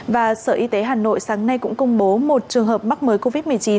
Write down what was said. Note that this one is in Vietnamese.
và sở y tế hà nội sáng nay cũng công bố một trường hợp mắc mới covid một mươi chín